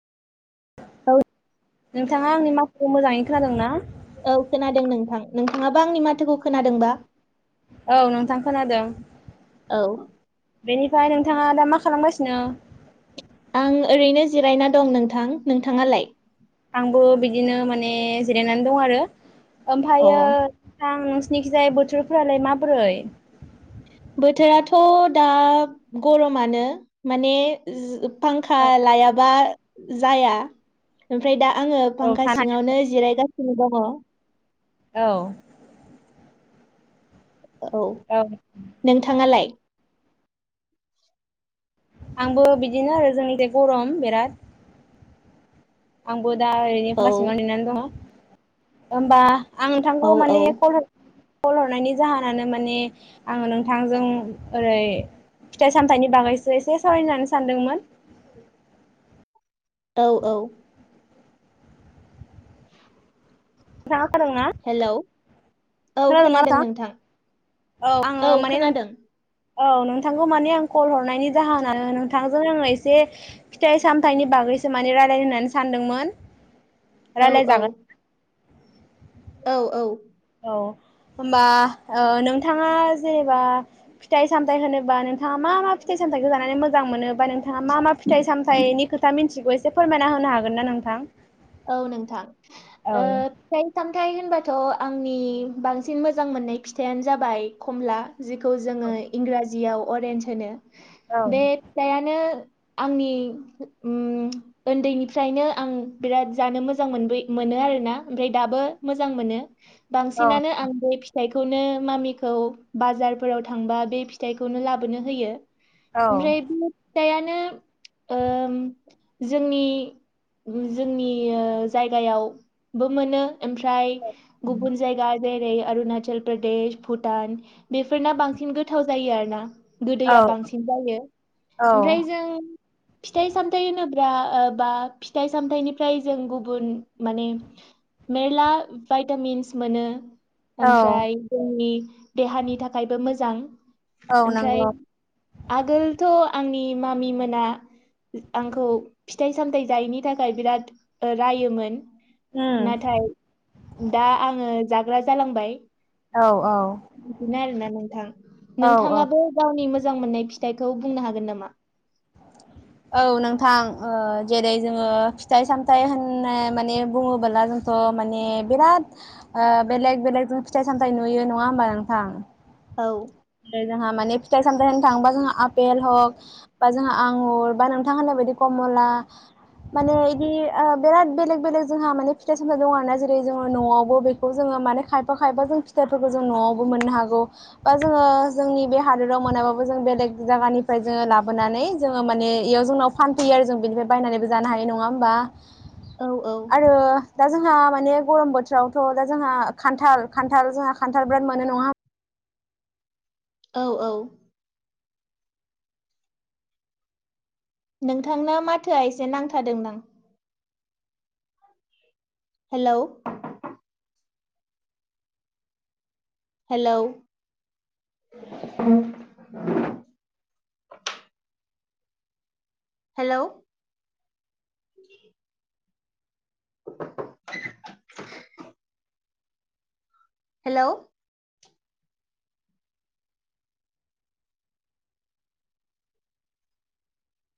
औ नोंथांङा आंनि माखुखौ मोजांङै खोनादों ना? नोंथाङाबा आंनि माथोखौ खोनादोंबा औ नोंथां खोनादों। औ बेनिफ्राय नोंथाङा दा मा खालामगासिनो? आं ओरैनो जिरायना दं नोंथां। नोंथांङालाय? आंबो बिदिनो माने जिरायनानै दं आरो अ ओमफायो थां खिनिजाय बोथोरफोरालाय माबोरै बोथोराथ' दा गरमानो माने जो फांखा लायाबा जाया ओमफ्राय दा आंङो औ फांखा थानो सिङावनो जिरायगासिनो दङ। औ औ नोंथांङालाय आंबो बिदिनो आरो जोंनिजाय गरम बिराद आंबो दा ओरैनो औ फाखा सिङाव जिरायनानै दङ। ओमबा आं औ नोंथांखौ औ माने कल कल हरनायनि जाहोनानो माने आंङो नोंथांजों ओरै फिथाइ-सामथायाइनि बागैसो एसे सावरायज्लायनो सानदोंमोन। औ औ हेलौ औ खोनादोंं ना खोनादों नोंथां औ आंङो माने नों औ नोंथांखौ माने आं कल हरनायनि जाहोनानो नोंथांजों आंङो एसे फिथाइ-सामथाइनि बा गैसो माने रायलायनो होननानै सानदोंमोन। औ औ रायलायजागोन औ औ औ होमबा ओ नोंथाङा जेनेबा फिथाइ-सामथायाइ होनोबा नोंथाङा मा मा फिथाइ-साम थाइखौ जानानै मोजां मोनो बा थाइखौ जानानै नोंथाङा मा मा फिथाइ सामथायनि खोथा मिथिगौ एसे फोरमायना होनो हागोन ना नोंथां? औ नोंथां औ ओ फिथाय-सामथाय होनबा थ' आंनि बांसिन मोजां मोननाय फिथाइानो जाबाय कमला जिखौ जोङो इंराजियाव अरेन्ज होनो औ बे फिथायानो आंनि ओम उन्दैनिफ्रायनो आं बिराद जानो मोजां मोनबो मोनो आर ना ओमफ्राय दाबो मोजां मोनो। औ बांसिनानो आं बे फिथाइ खौनो मामिखौ बाजारफोराव थांबा बे फिथाइखौनो लाबोनो होयो। औ ओफ्राय से फिथाइआनो ओम जोंनि जोंनि ओ जायगायावबो मोनो ओमफ्राय गुबुन जायगा जेरै अरुणाचल प्रदेश भुटान बेफोरना बांसिन गोथाव जायो आरो ना। औ गोदैया बांसिन जायो औ ओमफ्राय जों फिथाइ-सामथायाइ होनो ब्ला बा फिथाइ- सामथाइनिफ्राय जों गुबुन माने मेरला भाइटामिन्स मोनो। औ ओमफ्राय जोंनि देहानि थाखायबो मोजां। औ ओमफ्राय नंगौ आगोलथ' आंनि मामि मोना आंखौ फिथाइ-सामथाय जायनि थाखाय बिराद रोयोमोन उम नाथाय दा आङो जा ग्रा जालांबाय। औ औ बिदिनो आरोना नोंथां। औ औ नोंथाङाबो गावनि मोजां मोननाय फि थाइखौ बुंनो हागोन नामा? औ नोंथां ओ जेरै जोङो फिथाइ सामथाइ होननाय माने बुङोबोला जोंथ' ओ माने बिराद ओ बेलेग बेलेकजों फिथाइ सामथाइ नुयो नङा होमबा नोंथां? औ [unintelligible] माने फिथाइ सामथाइ होनो थाङोबा जोंहा आपेल हक बा जोंहा आंगुर बा नोंथां होननाय बायदि कमला माने इदि ओ बिराद बेलेग बेलेग जोंहा माने फिथाइ सामथाइ दं आरो ना जेरै जोङो न'आवबो बेखौ जोङो [unintelligible] खायफा खायफा जों फिथायफोरखौ जों नआवबो मोननो हौगौ बा जोङो जोंनि बे हादोराव मोनाबाबो जों बेलेग जायगानिफ्राय जोङो लाबोनानै जोङो माने इयाव जों फानफैयो आरो जों बिनिफ्राय बायनानैबो जानो हायो नङा होमबा? औ औ। आरो दा जोंहा माने गरम बोथोरावथ' दा जोंहा खान्थाल खान्थाल जोंहा खान्थाल बिराद मोनो नङा औ औ। नोंथांना माथोआ एसे नांथादों दा। हेलौ । हेलौ। [inaudible] हेलौ। [inaudible] हेलौ।